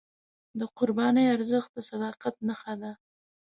د قربانۍ ارزښت د صداقت نښه ده.